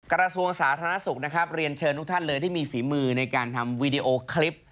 กระทรวงสาธารณสุขนะครับเรียนเชิญทุกท่านเลยที่มีฝีมือในการทำวีดีโอคลิป